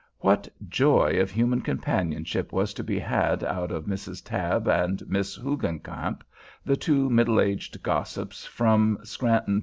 What joy of human companionship was to be had out of Mrs. Tabb and Miss Hoogencamp, the two middle aged gossips from Scranton, Pa.